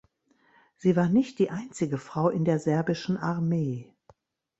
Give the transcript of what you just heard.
Sie war nicht die einzige Frau in der serbischen Armee.